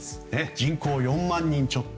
人口４万人ちょっと。